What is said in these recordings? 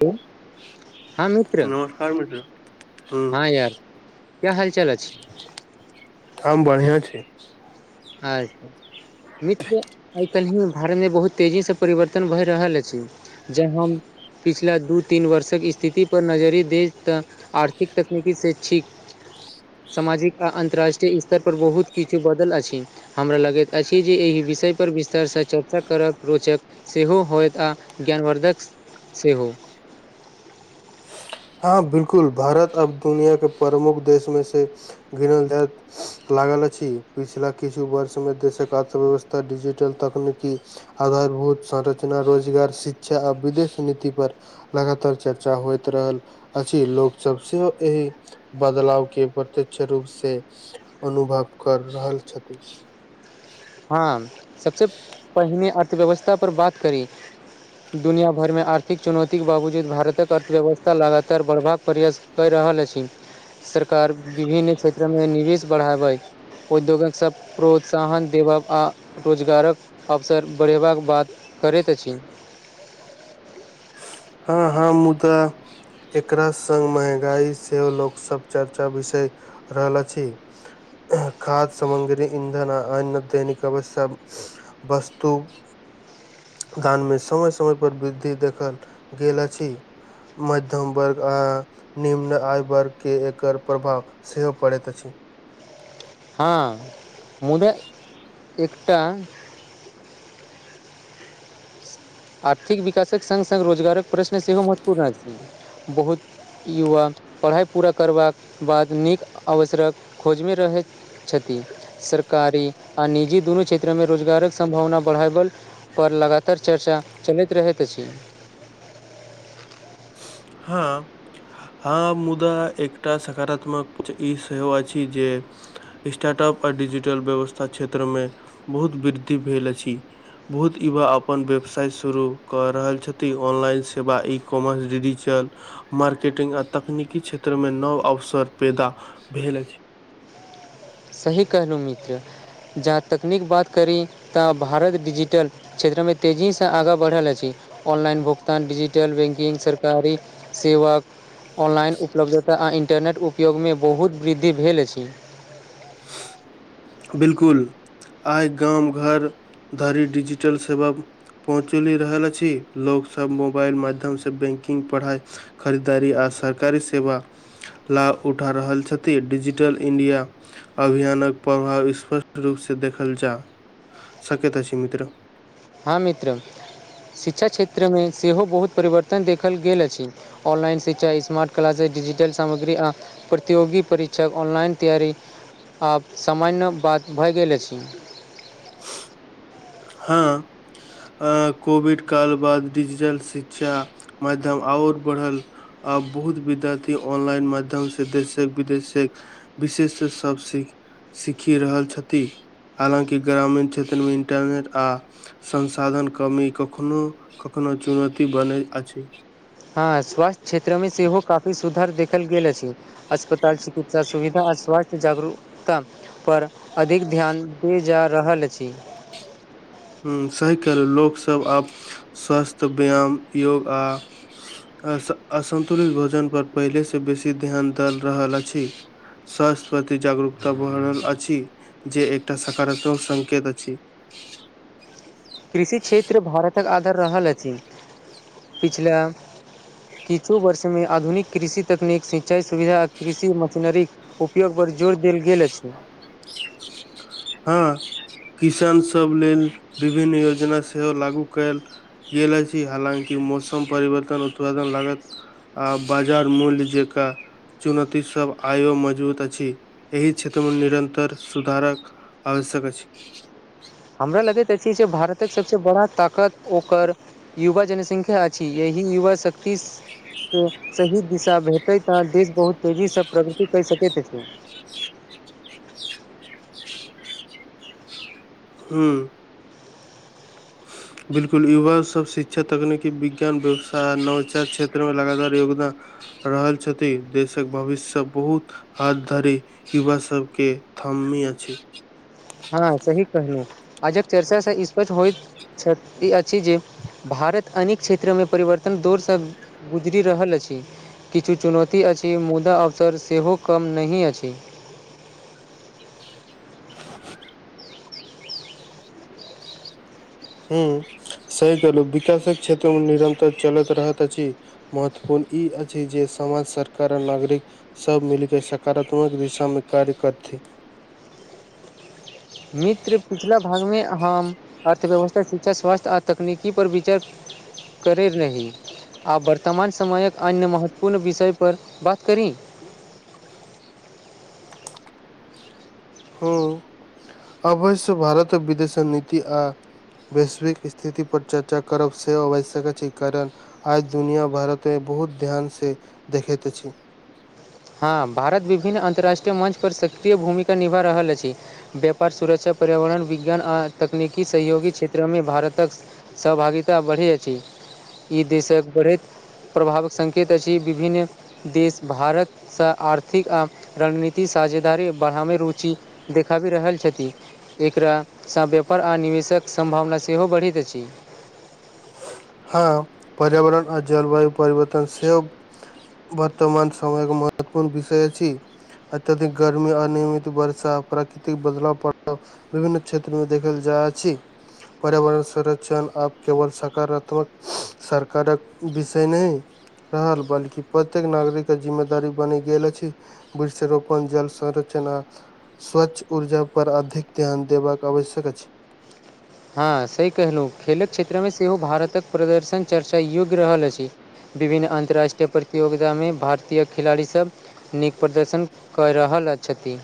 क [unintelligible] हँ मित्र नमस्कार मित्र हूँ हँ यार क्या हाल चाल अछि। हम बढ़िआ छि। आ नित्य आइ कल्हि ही भारत मे बहुत तेजी से परिवर्तन भए रहल अछि जै हम पछिला दू तीन वर्षक स्थिति पर नजरि दे तऽ आर्थिक तकनीकी से छी सामाजिक आर अन्तर्राष्ट्रीय स्तर पर बहुत किछु बदल अछि हमरा लगैत अछि जे एहि विषयपर विस्तार सँ चर्चा करब रोचक सेहो होयइत आ ज्ञानवर्द्धक सेहो हँ बिलकुल भारत अब दुनिया के प्रमुख देश मे से घिनल जा लागल अछि पिछला किछु वर्ष मे देशक अर्थव्यवस्था डिजिटल तकनीकी आधारभूत संरचना रोजगार शिक्षा आ विदेश नीति पर लगातार चर्चा होइत रहल अछि लोक सब सेहो एहि बदलाव के प्रत्यक्ष रूप से अनुभव कर रहल छथि हँ सबसे पहिने अर्थव्यवस्था पर बात करी दुनिया भर मे आर्थिक चुनौती के बावजूद भारतक अर्थव्यवस्था लगातार बढ़बाक प्रयस कय रहल अछि सरकार विभिन्न क्षेत्र मे निवेश बढ़ाबै उद्योगक सभ प्रोत्साहन देबा आ रोजगारक अवसर बढ़ेबाक बात करैत अछि हँ हँ मुदाऽ एकरा संग महंगाई सेहो लोक सब चर्चा विषय रहल अछि खाद सामग्री इन्धन अन दैनिकवश वस्तु दान मे समय समय पर वृद्धि देखल गेल अछि मध्यम वर्ग अ निम्न आयु वर्ग के एकर प्रभाव सेहो पड़ैत अछि हँ मुदा एकटा आर्थिक विकासक सङ्ग सङ्ग रोजगारक प्रश्न सेहो महत्वपूर्ण अछि बहुत युवा पढ़ाइ पूरा करबाक बाद नीक अवसरक खोज मे रहैत क्षति सरकारी आ निजी दुनू क्षेत्रमे रोजगारक सम्भावना बढ़ायबल पर लगातार चर्चा चलैत रहैत अछि हँ हँ मुदा एकटा सकारात्मक ई सेहो अछि जे स्टार्टअप आ डिजिटल व्यवस्था क्षेत्र मे बहुत वृद्धि भेल अछि बहुत युवा अपन व्यवसाय शुरू कऽ रहल छथि ऑनलाइन सेवा ई कॉमर डि़रीचल मार्केटिंग आ तकनीकी क्षेत्र मे नव अवसर पैदा भेल अछि सही कहलहुँ मित्र जहाँ तकनीक बात करी तऽ भारत डिजिटल क्षेत्र मे तेजीसँ आगाँ बढ़ल अछि ऑनलाइन भुगतान डिजिटल बैंकिंग सरकारी सेवाक ऑनलाइन उपलब्धता आ इन्टरनेट उपयोग मे बहुत वृद्धि भेल अछि बिलकुल आइ गाम घर धरि डिजिटल सेवा पहुँचली रहल अछि लोग सब मोबाइल माध्यमसँ बैंकिंग पढ़ाइ खरीदारी आ सरकारी सेवा लाभ उठा रहल छथि डिजिटल इण्डिया अभियानक प्रभाव स्पष्ट रूपसे देखल जा सकैत अछि मित्र हां मित्र शिक्षा क्षेत्र मे सेहो बहुत परिवर्तन देखल गेल अछि ऑनलाइन शिक्षा स्मार्ट क्लासेस डिजिटल सामग्री आ प्रतियोगी परीक्षाक ऑनलाइन तैयारी आब सामान्य बात भऽ गेल अछि हां अ कोविड काल बाद डिजिटल शिक्षा माध्यम आओर बढ़ल आ बहुत विद्यार्थी ऑनलाइन माध्यम से देश से विदेशेक विशेष सब सि सीखि रहल छथि हालाँकि ग्रामीण क्षेत्र मे इन्टरनेट आ संसाधन कमी कखनो कखनो चुनौती बनेै अछि हँ स्वास्थ्य क्षेत्र मे सेहो काफी सुधार देखल गेल अछि अस्पताल चिकित्सा सुविधा आ स्वास्थ्य जागरूकता पर अधिक ध्यान दि जा रहल अछि हूं सही केहलौं लोकसभ आब स्वास्थ्य व्यायाम योग आ आ आ असन्तुलित भोजन पर पहिलेसँ बेसी ध्यान देल रहल अछि स्वास्थ्य प्रति जागरूकता भ रहल अछि जे एकटा सकारात्मक संकेत अछि कृषि क्षेत्र भारतक आधार रहल अछि पिछला किछु वर्ष मे आधुनिक कृषि तकनीक सिंचाइ सुविधा आ कृषि मशीनरी उपयोग बड़ जोर देल गेल अछि हँ किसान सब लेल विभिन्न योजना सेहो लागू कयल गेल अछि हालकि मौसम परिवर्तन उत्पादन लागत आ बाजार मूल्य जेका चुनौती सब आयो मजबूत अछि एहि क्षेत्र मे निरन्तर सुधारक आवश्यक अछि हमरा लगैत अछि जे भारतक सभसँ बड़ा ताकत ओकर युवा जनसंख्या अछि यही युवा शक्ति के सही दिशा भेटै तऽ देश बहुत तेजीसँ प्रगति कै सकैत अछि हूँ [inaudible] बिलकुल युवा सब शिक्षा तकनीकी विज्ञान व्यवसाय नवचात क्षेत्र मे लगातार योगदान रहल छथि देशक भविष्य सभ बहुत हात धरी युवा सब के थामिया अछि हँ सही कहलि आ जब चर्चा से स्पष् होइत अछि जे, भारत अनेक क्षेत्र मे परिवर्तन दौरसँ गुजरि रहल अछि किछु चुनौती अछि मुदा अवसर सेहो कम नहि अछि हूं सही कहलहु विकासक क्षेत्र मे निरंतर चलैत रहत अछि महत्वपूर्ण ई अछि जे समाज सरकार आ नागरिक सब मिल क सकारात्मक दिशा मे कार्य करथि मित्र पिछला भाग मे हम अर्थव्यवस्था, शिक्षा, स्वास्थ्य आ तकनीकी पर विचार करे रही आब वर्तमान समयक अन्य महत्वपूर्ण विषय पर बात करी हूं अवश्य भारत विदेश नीति आ वैश्विक स्थिति पर चर्चा करब से आवश्यक छै करब‌ आज दुनिया भारत मे बहुत ध्यान से देखैत अछि हँ भारत विभिन्न अन्तर्राष्ट्रीय मञ्च पर सक्रिय भूमिका निभा रहल अछि व्यापार, सुरक्षा, पर्यावरण, विज्ञान आ तकनीकी सहयोगी क्षेत्र मे भारतक सहभागिता बढ़ि अछि ई देशक बढ़ैत प्रभाव संकेत अछि विभिन्न देश भारत स आर्थिक आ रणनीति साझेदारी बढ़ा मे रुचि देखाबी रहल छथि एकरा सँ व्यापार आ निवेशक सम्भावना सेहो बढ़ैत अछि हँ पर्यावरण आ जलवायु परिवर्तन से ओ बर्तमान समयक महत्वपूर्ण विषय अछी अत्यधिक गर्मी, अनियमित वर्षा, प्राकृतिक बदलाव पड़ल विभिन्न क्षेत्र मे देखल जा अछि पर्यावरण संरक्षण आब केवल सकारात् मक सरकारक विषय नहि रहल बल्कि प्रत्येक नागरिक के जिम्मेदारी बनी गेल अछि वृक्ष रोपण जल संरचन आ स्वच्छ ऊर्जा पर अधिक ध्यान देबाक आवश्यक अछि हँ सही केहलौं खेलक क्षेत्र मे सेहो भारतक प्रदर्शन चर्चा योग्य रहल अछि विभिन्न अन्त्राष्ट्रीय प्रतियोगिता मे भारतीय खिलाड़ी सब नीक प्रदर्शन कऽ रहल आ छथि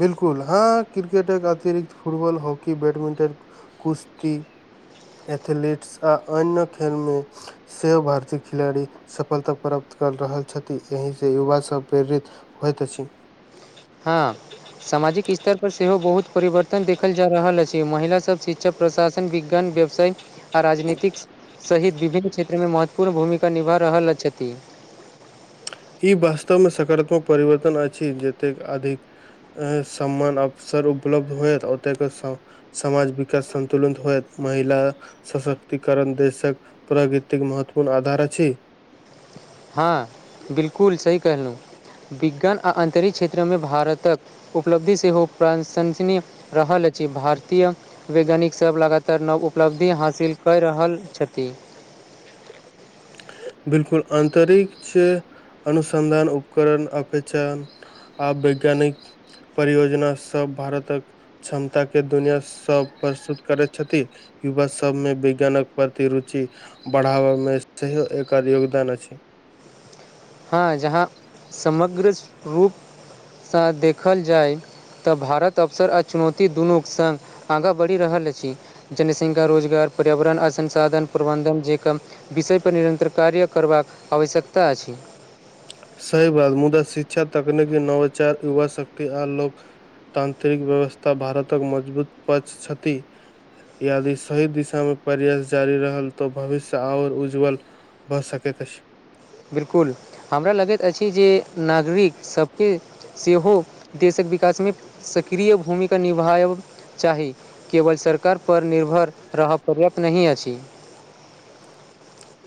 बिलकुल हँ क्रिकेट अतिरिक्त फुटबॉल, हॉकी, बैडमिंटन कुश्ती, एथलीट्स आ अन्य खेल मे सेहो भारतीय खिलाड़ी सफलता प्राप्त कर रहल छथि एहि से युवा सब प्रेरित होइत छी हां सामाजिक स्तर पर सेहो बहुत परिवर्तन देखल जा रहल अछि महिलासभ शिक्षक प्रशासन विज्ञान आ राजनीतिक सहित विभिन्न क्षेत्र मे महत्वपूर्ण भूमिका निभा रहल छथि ई वास्तव मे सकारात्मक परिवर्तन अछि जतेक अधिक सम्मान अवसर उपलब्ध होयत ओतऽके स समाज विकास संतुलनत होएत महिला सशक्तिकरण देशक प्रगृतिक महत्वपूर्ण आधार अछि हां बिलकुल सही कहलहुँ विज्ञान आ अन्तरिक क्षेत्रमे भारतक उपलब्धि सेहो प्रासंसनिय रहल अछि भारतीय वैज्ञानिक सभ लगातार नव उपलब्धि हासिल कऽ रहल छथि बिलकुल अतरिक्ष अनुसन्धान उपकरण अपेचन आ वैज्ञानिक परियोजना सब भारतक क्षमता के दुनिया सब प्रस्तुत करैत छथि युवा सबमे वैज्ञानक प्रति रुचि बढ़ाबा मे एकर योगदान अछि हँ जहाँ समग्र रूप सँ देखल जाय तऽ भारत अवसर आ चुनौती दुनूक संग आगाँ बढ़ि रहल अछि जनी श्रृंगार रोजगार पर्यावरण आ संसाधन प्रबंधन जे कम विषय पर निरंतर कार्य करबाक आवश्यकता अछि सही बात मुदा शिक्षा तकनीकी नवचार युवा शक्त आ लोक तांत्रिक व्यवस्था भारतक मजबूत पछ छथि यदि सही दिशा मे प्रयास जारी रहल तऽ भविष्य आओर उज्ज्वल कऽ सकति अछि बिलकुल हमरा लगैत अछि जे नागरिक सभके सेहो देशक विकास मे सक्रिय भूमिका निभायब चाही केवल सरकारपर निर्भर रहय पर्याप्त नहि अछि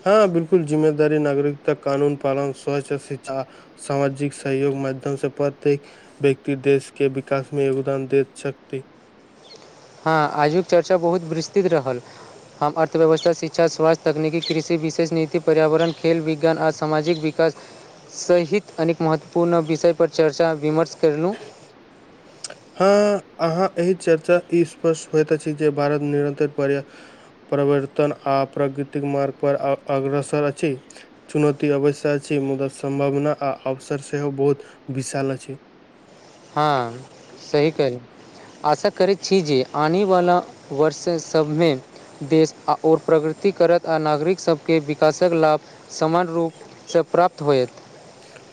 हँ बिलकुल जिम्मेदारी नागरिकता कानून पालन स्वच्छ शिक्षा सामाजिक सहयोग माध्यम से प्रत्येक व्यक्ति देश के विकास मे योगदान देत छति हँ आजुक चर्चा बहुत विस्तृत रहल हम अर्थव्यवस्था शिक्षा स्वास्थ तकनीक कृषि विशेष नति पर्यावरण खेल विज्ञान आ सामाजिक वि कास सहित अनेक महत्वपूर्ण विषय पर चर्चा विमर्श कैरलहुँ हँ अहाँ एहि चर्चा ई स्पर्ष्ट होइत अछि जे भारत निरन्तर पर्या परिवर्तन आ प्रकृतिक मार्ग पर अग्रसर अछि चुनौती अवश्य अछि मुदा सम्भावना आ अवसर सेहो बहुत विशाल अछि हँ सही केहलहुँ आशा करैत छी जे आनेवला वर्ष सभमे देश आ आओर प्रगृती करत आ नागरिक सबके विकासक लाभ समान रूप से प्राप्त होयत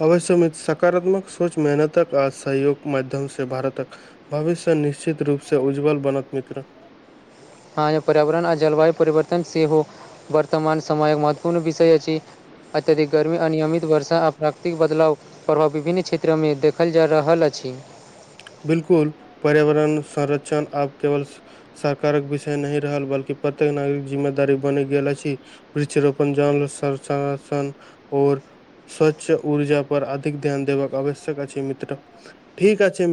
अवश्य मित्र सकारात्मक सोच मेहनतक आ सहयोग केँ माध्यम सँ भारतक भविष्य निश्चित रूपसँ उज्जवल बनत मित्र हँ पर्यावरण आ जलवायु परिवर्तन सेहो वर्तमान समयक महत्वपूर्ण विषय अछि अत्यधिक गर्मी अनियमित वर्षा आ प्राकृतिक बदलाव प्रभाव विभिन्न क्षेत्रमे देखल जा रहल अछि बिलकुल पर्यावरण संरक्षण आब केवल सरकारक विषय नहि रहल बल्कि प्रत्येक नागरिक जिम्मेदारी बनि गेल अछि वृक्ष रोपण जल संन - संरक्षण ओर स्वच्छ ऊर्जा पर अधिक ध्यान देबाक आवश्यक अछि छै मित्र ठीक अछि